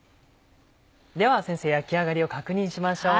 では先生焼き上がりを確認しましょう。